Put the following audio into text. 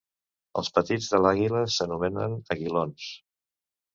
Els petits de l'àguila s'anomenen aguilons.